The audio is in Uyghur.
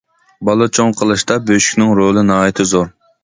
بالا چوڭ قىلىشتا بۆشۈكنىڭ رولى ناھايىتى زور.